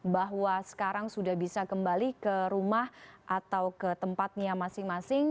bahwa sekarang sudah bisa kembali ke rumah atau ke tempatnya masing masing